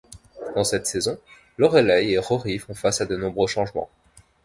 Dans cette saison, Lorelai et Rory font face à de nombreux changements.